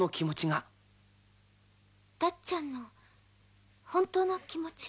南：たっちゃんの本当の気持ち？